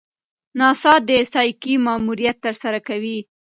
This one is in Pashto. ناسا د سایکي ماموریت ترسره کوي.